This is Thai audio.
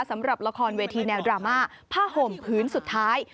สำหรับละครเวทีแนวดราม่าผ้าห่มพื้นสุดท้าย